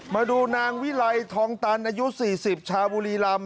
มาดูนางวิไลทองตันอายุ๔๐ชาวบุรีรำ